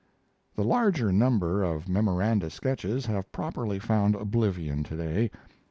The larger number of "Memoranda" sketches have properly found oblivion to day.